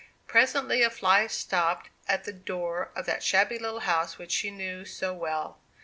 Presently a fly stopped at the door of that shabby little house which she knew so well.